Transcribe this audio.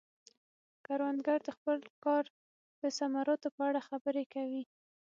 کروندګر د خپل کار د ثمراتو په اړه خبرې کوي